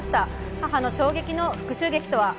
母の衝撃の復讐劇とは。